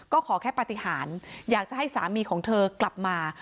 ก็ขอแค่ปฏิหารอยากจะให้สามีของเธอกลับมา